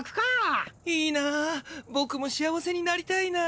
いいなボクも幸せになりたいな。